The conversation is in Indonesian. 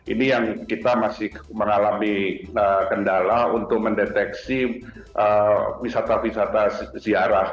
ini yang kita masih mengalami kendala untuk mendeteksi wisata wisata ziarah